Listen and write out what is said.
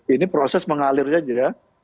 ini proses mengalirnya juga